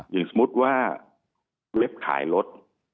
อย่างสมมุติว่าเล็บขายรถ